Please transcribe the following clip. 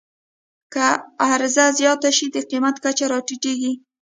که عرضه زیاته شي، د قیمت کچه راټیټېږي.